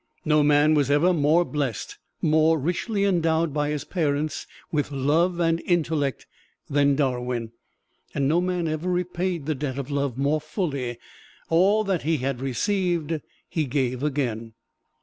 No man was ever more blest more richly endowed by his parents with love and intellect than Darwin. And no man ever repaid the debt of love more fully all that he had received he gave again.